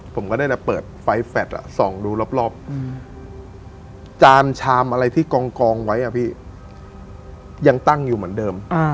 ผมก็ได้แต่เปิดไฟแฟทส่องดูรอบจานชามอะไรที่กองไว้อะพี่ยังตั้งอยู่เหมือนเดิม